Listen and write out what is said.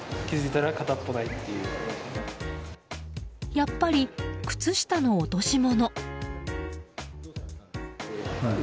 やっぱり靴下の落とし物。